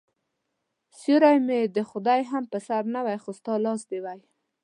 سیوری مې د خدای هم په سر نه وای خو ستا لاس دي وای